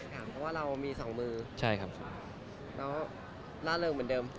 อเจมส์เพราะเรามีสองมือแล้วน่าเริ่มเหมือนเดิม